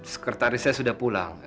sekretaris saya sudah pulang